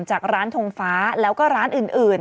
จากร้านทงฟ้าแล้วก็ร้านอื่น